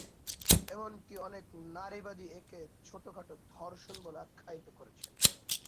এমনকি অনেক নারীবাদী একে "ছোটোখাটো ধর্ষণ" বলে আখ্যায়িত করেছেন।